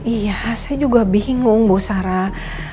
iya saya juga bingung bu sarah